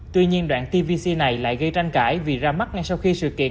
tuy nhiên đoạn tvc này lại gây tranh cãi vì ra mắt ngay sau khi sự kiện